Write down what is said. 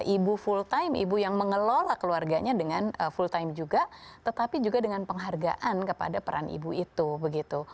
ibu full time ibu yang mengelola keluarganya dengan full time juga tetapi juga dengan penghargaan kepada peran ibu itu begitu